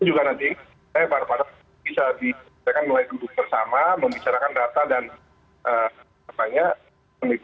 itu juga nanti saya baru baru bisa mulai duduk bersama membicarakan data dan memikirkan itu